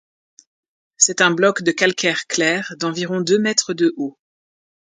C'est un bloc de calcaire clair, d'environ deux mètres de haut.